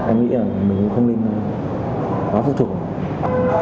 em nghĩ là mình cũng không nên quá phụ thuộc